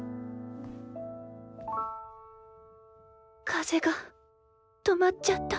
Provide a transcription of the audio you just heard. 風が止まっちゃった